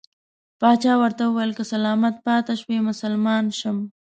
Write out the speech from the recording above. پاچا ورته وویل چې که سلامت پاته شوې مسلمان شم.